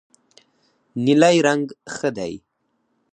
نیلی رنګ ښه دی.